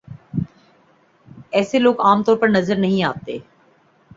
ایسے لوگ عام طور پر نظر نہیں آتے